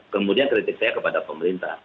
kemudian kritik saya kepada pemerintah